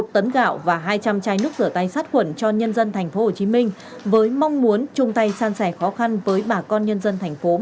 một tấn gạo và hai trăm linh chai nước rửa tay sát khuẩn cho nhân dân tp hcm với mong muốn chung tay san sẻ khó khăn với bà con nhân dân thành phố